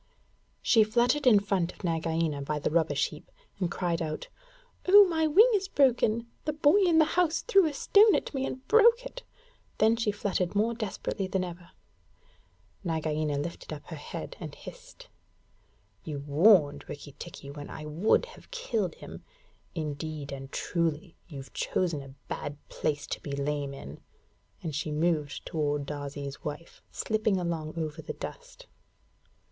She fluttered in front of Nagaina by the rubbish heap, and cried out, 'Oh, my wing is broken! The boy in the house threw a stone at me and broke it.' Then she fluttered more desperately than ever. Nagaina lifted up her head and hissed, 'You warned Rikki tikki when I would have killed him. Indeed and truly, you've chosen a bad place to be lame in.' And she moved toward Darzee's wife, slipping along over the dust.